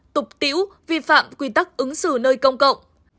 tục tiễu vi phạm quy tắc ứng xử nơi công cộng